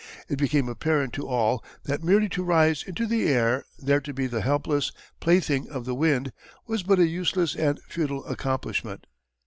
It became apparent to all that merely to rise into the air, there to be the helpless plaything of the wind, was but a useless and futile accomplishment.